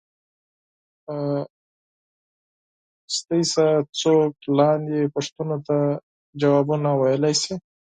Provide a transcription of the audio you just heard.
له تاسو څخه څوک لاندې پوښتنو ته ځوابونه ویلای شي.